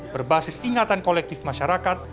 berbasis ingatan kolektif masyarakat